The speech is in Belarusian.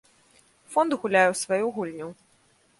Фонд гуляе у сваю гульню.